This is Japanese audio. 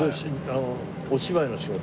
お芝居の仕事？